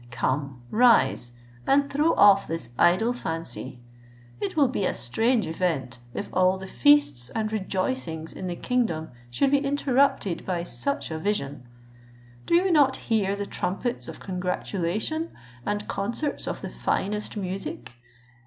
Come, rise, and throw off this idle fancy; it will be a strange event, if all the feasts and rejoicings in the kingdom should be interrupted by such a vision. Do not you hear the trumpets of congratulation, and concerts of the finest music?